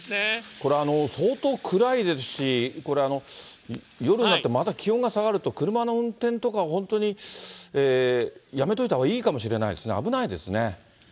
これ、相当暗いですし、これ、夜になってまた気温が下がると、車の運転とか、本当にやめておいたほうがいいかもしれないですね、危ないですね。